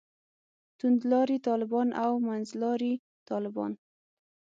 توندلاري طالبان او منځلاري طالبان.